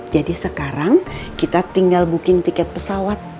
jadi sekarang kita tinggal booking tiket pesawat